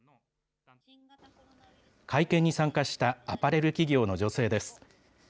会見に参加したアパレル企業の女性です。